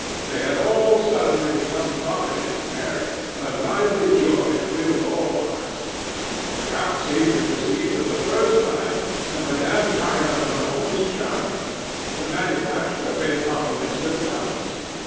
They had all suddenly become talkative and merry; a lively joy filled all hearts. The count seemed to perceive for the first time that Madame Carre Lamadon was charming; the manufacturer paid compliments to the countess.